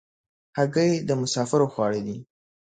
هګۍ د مسافرو خواړه دي.